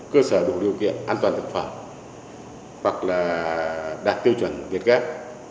cơ sở đủ điều kiện an toàn thực phẩm hoặc là đạt tiêu chuẩn việt gap